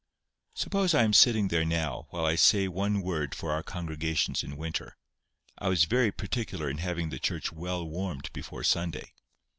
Suppose I am sitting there now while I say one word for our congregations in winter. I was very particular in having the church well warmed before Sunday.